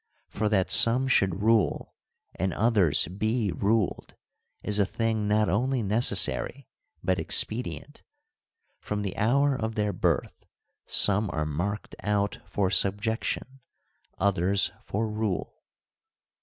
For that some should rule and others be ruled is a thing not only necessary but expedient ; from the hour of their birth some are marked out for subjection, others for rule.